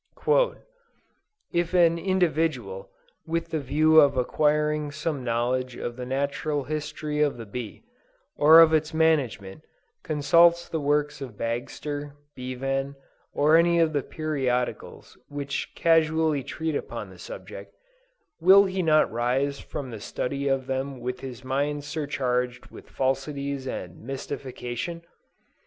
"If an individual, with the view of acquiring some knowledge of the natural history of the bee, or of its management, consult the works of Bagster, Bevan, or any of the periodicals which casually treat upon the subject, will he not rise from the study of them with his mind surcharged with falsities and mystification?